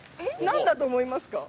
何だと思いますか？